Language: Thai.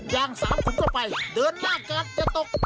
ยางสามขุนเข้าไปเดินหน้ากากจะตก